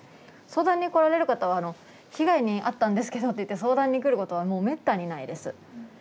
相談に来られる方は「被害にあったんですけど」って言って相談に来ることはもうめったにないです。